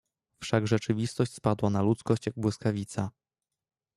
"Wszak rzeczywistość spadła na ludzkość jak błyskawica."